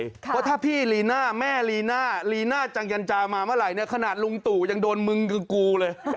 ว่าถ้าพี่ลีน่าแม่ลีน่าลีน่าจังยันจามาเมื่อไหร่เนี่ยขนาดลุงตู่ยังโดนมึงคือกูเลย